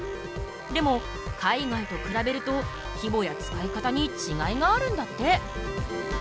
でも海外と比べると規模や使い方にちがいがあるんだって。